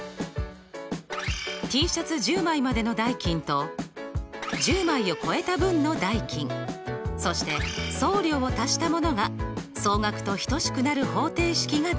Ｔシャツ１０枚までの代金と１０枚を超えた分の代金そして送料を足したものが総額と等しくなる方程式ができました。